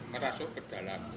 merasuk ke dalam